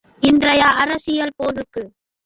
இன்றைய அரசியல் போக்கு!